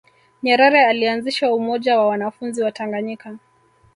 nyerere alianzisha umoja wa wanafunzi wa tanganyika